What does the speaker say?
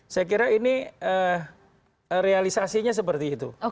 saya kira ini realisasinya seperti itu